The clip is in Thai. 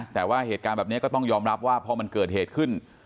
แต่ว่าเหตุการณ์แบบนี้ก็ต้องยอมรับว่าพอมันเกิดเหตุขึ้น